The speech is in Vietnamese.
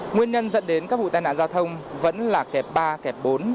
nguyên nhân dẫn đến các vụ tai nạn giao thông vẫn là kẹp ba kẹp bốn